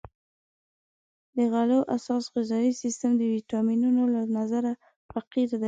د غلو اساس غذایي سیستم د ویټامینونو له نظره فقیر دی.